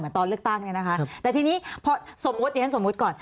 ตอนเลือกตั้งเนี่ยนะคะแต่ทีนี้พอสมมุติเดี๋ยวฉันสมมุติก่อน